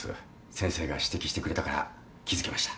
先生が指摘してくれたから気付けました。